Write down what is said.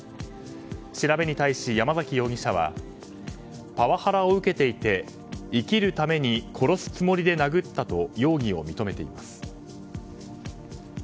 調べに対し、山崎容疑者はパワハラを受けていて生きるために殺すつもりで殴ったと容疑を認めています。